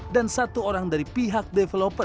dan satu orang dari pihak developer